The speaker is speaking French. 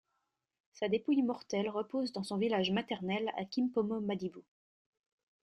Sa dépouille mortelle repose dans son village maternel à Kimpomo-Madibou.